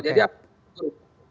jadi apalagi seperti itu